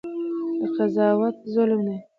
دا قضاوت ظلم دی.